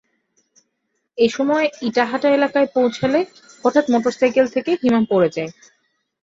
এ সময় ইটাহাটা এলাকায় পৌঁছালে হঠাৎ মোটরসাইকেল থেকে হিমা পড়ে যায়।